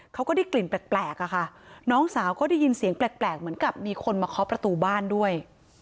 ก็ได้กลิ่นแปลกอะค่ะน้องสาวก็ได้ยินเสียงแปลกเหมือนกับมีคนมาเคาะประตูบ้านด้วย